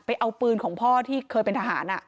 เอาปืนของพ่อที่เคยเป็นทหาร